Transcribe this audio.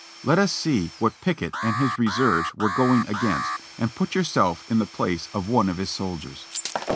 Let us see what Pickett and his reserves were going against, and put yourself in the place of one of his soldiers.